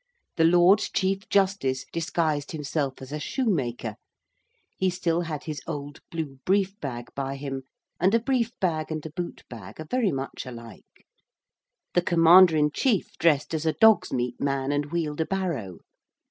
The Lord Chief Justice disguised himself as a shoemaker; he still had his old blue brief bag by him, and a brief bag and a boot bag are very much alike. The Commander in Chief dressed as a dog's meat man and wheeled a barrow.